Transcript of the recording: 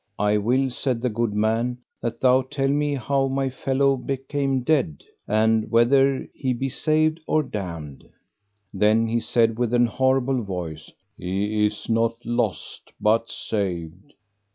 I will, said the good man, that thou tell me how my fellow became dead, and whether he be saved or damned. Then he said with an horrible voice: He is not lost but saved.